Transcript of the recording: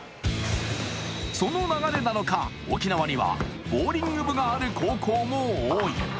その流れなのか、沖縄にはボウリング部がある高校も多い。